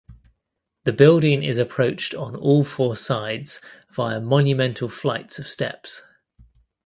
The building is approached on all four sides via monumental flights of steps.